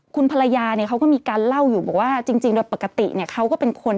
คุณภรรยาเนี่ยเขาก็มีการเล่าอยู่ว่าจริงแบบปกติมีเพราะว่าเขาก็เป็นคน